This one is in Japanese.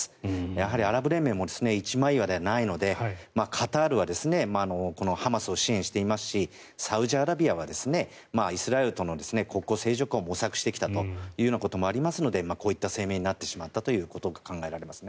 やはりアラブ連盟も一枚岩ではないのでカタールはハマスを支援していますしサウジアラビアはイスラエルとの国交正常化を模索してきたということもありますのでこういった声明になってしまったということが考えられます。